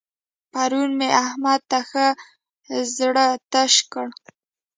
پرون مې احمد ته ښه زړه تش کړ.